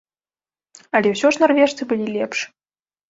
Але ўсё ж нарвежцы былі лепш.